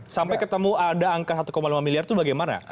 sampai ketemu ada angka satu lima miliar itu bagaimana